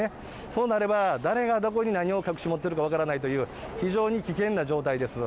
そうなれば、誰がどこに何を隠し持ってるか分からないという、非常に危険な状態です。